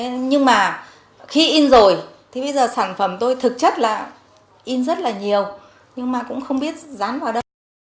nhưng mà khi in rồi thì bây giờ sản phẩm tôi thực chất là in rất là nhiều nhưng mà cũng không biết dán vào đâu